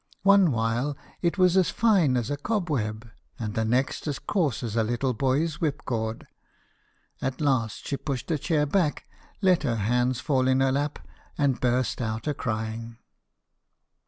One while it was as fine as a cobweb, and the next as coarse as a little boy's whipcord. At last she pushed her chair back, let her hands fall in her lap, and burst out a crying.